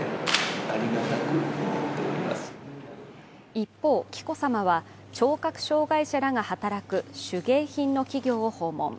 一方、紀子さまは聴覚障害者らが働く手芸品の企業を訪問。